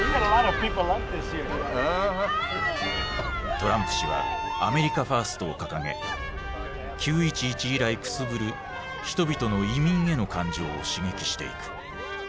トランプ氏はアメリカ・ファーストを掲げ９．１１以来くすぶる人々の移民への感情を刺激していく。